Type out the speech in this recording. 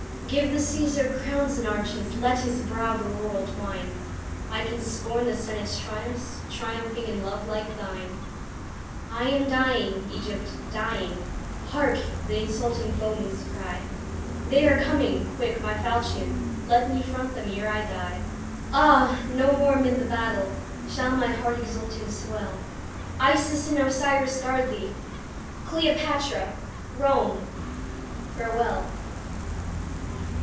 Give the Cæsar crowns and arches, Let his brow the laurel twine; I can scorn the Senate's triumphs, Triumphing in love like thine. I am dying, Egypt, dying; Hark! the insulting foeman's cry. They are coming! quick, my falchion, Let me front them ere I die. Ah! no more amid the battle Shall my heart exulting swell; Isis and Osiris guard thee! Cleopatra, Rome, farewell!